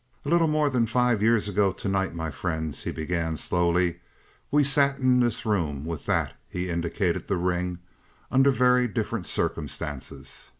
"A little more than five years ago to night, my friends," he began slowly, "we sat in this room with that" he indicated the ring "under very different circumstances."